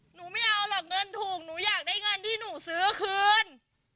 หนูไม่เอาหรอกเงินถูกหนูอยากได้เงินที่หนูซื้อคืน